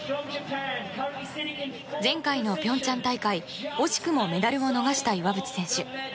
前回の平昌大会、惜しくもメダルを逃した岩渕選手。